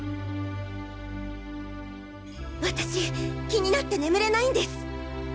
私気になって眠れないんです！